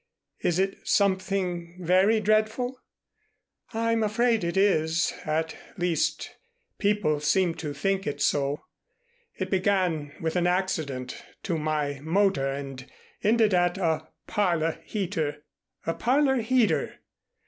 "Is it something very dreadful?" "I'm afraid it is at least people seem to think it so. It began with an accident to my motor and ended at a Parlor Heater." "A Parlor Heater!